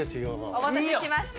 お待たせしました。